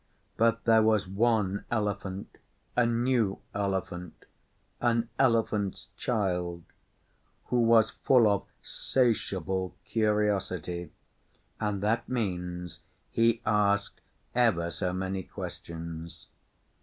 But there was one Elephant a new Elephant an Elephant's Child who was full of 'satiable curtiosity, and that means he asked ever so many questions.